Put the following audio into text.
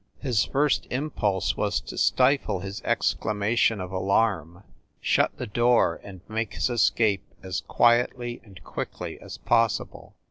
His first impulse was to stifle his exclama tion of alarm, shut the door and make his escape as quietly and quickly as possible.